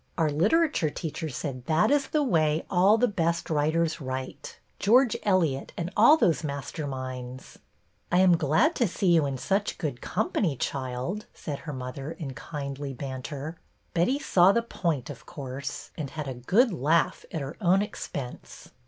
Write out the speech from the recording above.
Our literature teacher said that is the way all the best writers write, — George Eliot and all those master minds." '' I am glad to see you in such good company, child," said her mother, in kindly banter. Betty saw the point, of course, and had a good laugh at her own expense.